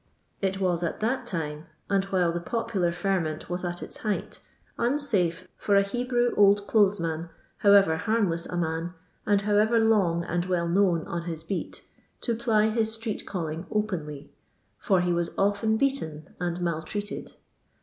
It was at that time, and while the popular ferment was at its height, unsafe for a Hebrew old clothes man, however harmless a man, and however long and well known on his beat, to ply his street calling openly; for he was often beaten and mal treated.